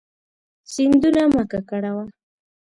سیندونه مه ککړوه.